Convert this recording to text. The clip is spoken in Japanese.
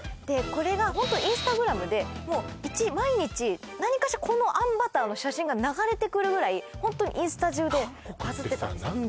でこれがホントインスタグラムでもう毎日何かしらこのあんバターの写真が流れてくるぐらいホントにインスタ中でバズってたんです